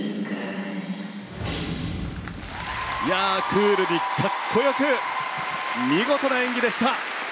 クールにかっこよく見事な演技でした。